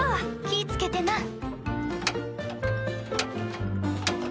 ・気ぃつけてな。